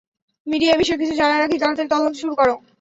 Media এ বিষয়ে কিছু জানার আগেই তাড়াতাড়ি তদন্ত শুরু কর।